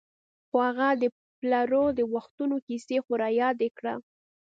خو هغه د پلرو د وختونو کیسې خو رایادې کړه.